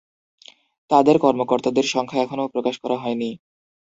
তাদের কর্মকর্তাদের সংখ্যা এখনও প্রকাশ করা হয়নি।